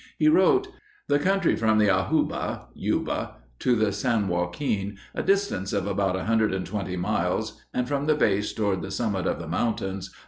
He wrote: "The country from the Ajuba [Yuba] to the San Joaquin, a distance of about 120 miles, and from the base toward the summit of the mountains